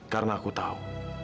karena aku tahu